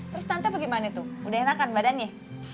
terus tante apa gimana tuh udah enakan badannya